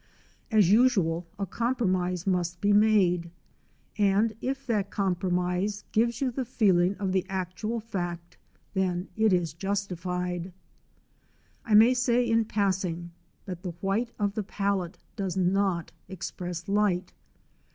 As usual, a compromise must be made, and if that compromise gives you the feeling of the actual fact, then it is justified. I may say in passing, that the white of the palette does not express light.